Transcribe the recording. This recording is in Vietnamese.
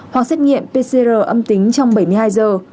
hoặc xét nghiệm pcr âm tính trong bảy mươi hai giờ